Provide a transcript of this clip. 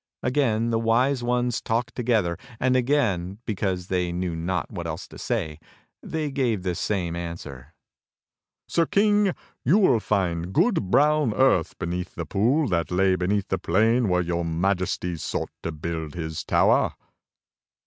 Again the Wise Ones talked together; and again because they knew not what else to say, they gave the same answer: "Sir King, you will find good, brown earth beneath the pool that lay beneath the plain where your Majesty sought to build his tower."